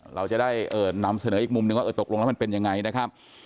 เราจะได้นำเสนออีกมุมนึงว่าเออตกลงแล้วมันเป็นยังไงนะครับ